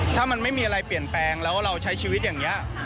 ถ้ามันไม่มีอะไรเปลี่ยนแปลงแล้วเราใช้ชีวิตอย่างนี้